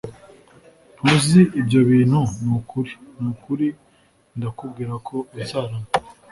ntuzi ibyo bintu Ni ukuri ni ukuri ndakubwira ko uzarama